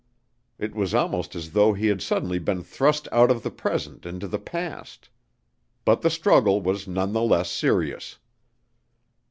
It was almost as though he had suddenly been thrust out of the present into the past. But the struggle was none the less serious.